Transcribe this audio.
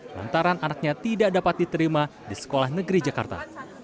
lantaran anaknya tidak dapat diterima di sekolah negeri jakarta